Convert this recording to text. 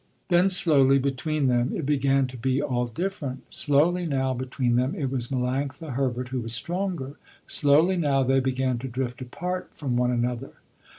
Then slowly, between them, it began to be all different. Slowly now between them, it was Melanctha Herbert, who was stronger. Slowly now they began to drift apart from one another.